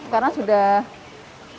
karena sudah lebih baik lagi